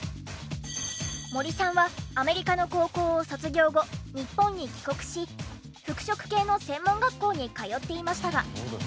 森さんはアメリカの高校を卒業後日本に帰国し服飾系の専門学校に通っていましたが。